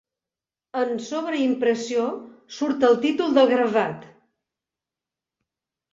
En sobreimpressió surt el títol del gravat.